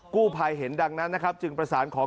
กู้ภัยเห็นดังนั้นนะครับจึงประสานขอ